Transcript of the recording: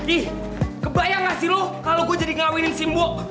ih kebayang ga sih lo kalo gue jadi ngawinin si mbok